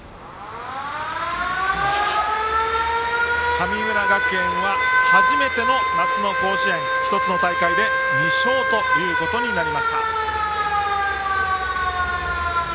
神村学園は初めての夏の甲子園１つの大会で２勝ということになりました。